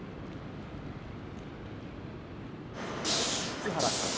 數原さん。